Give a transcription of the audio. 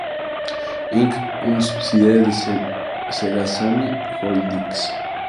Inc., una subsidiaria de Sega Sammy Holdings.